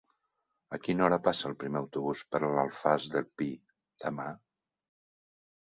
A quina hora passa el primer autobús per l'Alfàs del Pi demà?